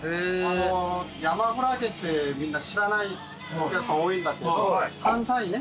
山クラゲってみんな知らないお客さん多いんだけど山菜ね。